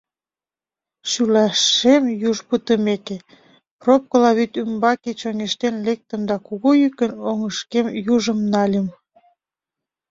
Шӱлашем юж пытымеке, пропкыла вӱд ӱмбаке чоҥештен лектым да кугу йӱкын оҥышкем южым нальым.